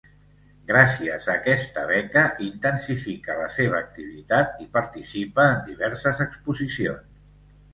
Gràcies a aquesta beca intensifica la seva activitat i participa en diverses exposicions.